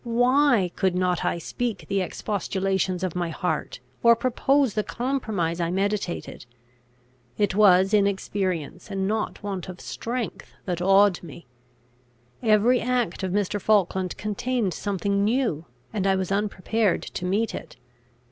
Why could not I speak the expostulations of my heart, or propose the compromise I meditated? It was inexperience, and not want of strength, that awed me. Every act of Mr. Falkland contained something new, and I was unprepared to meet it.